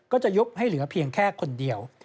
ก็จะยกให้เหลือเพียงแค่คนเดียว